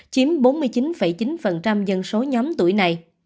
chiếm bốn mươi chín chín dân số nhóm tuổi này